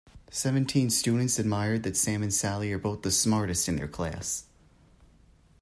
Seventeen students admired that Sam and Sally are both the smartest in their class.